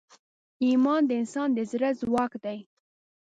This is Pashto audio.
ایمان د انسان د زړه ځواک دی.